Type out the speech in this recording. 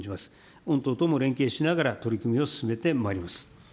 御党とも連携しながら、取り組みを進めてまいります。